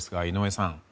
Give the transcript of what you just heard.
井上さん